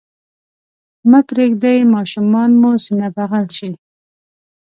مه پرېږدئ ماشومان مو سینه بغل شي.